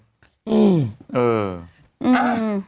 อืม